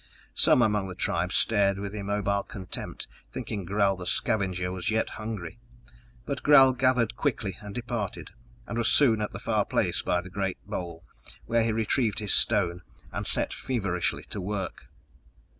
Some among the tribe stared with immobile contempt, thinking Gral the scavenger was yet hungry. But Gral gathered quickly, and departed, and was soon at the far place by the great bole, where he retrieved his stone and set feverishly to work.